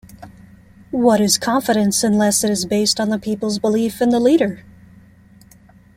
What is confidence unless it is based on the people's belief in the leader?